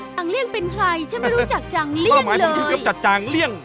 จังเลี่ยเป็นใครฉันไม่รู้จักจังเลี่ยเลย